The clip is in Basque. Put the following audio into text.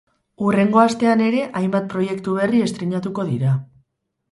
Hurrengo astean ere hainbat proiektu berri estreinatuko dira.